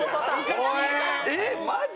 えっマジ？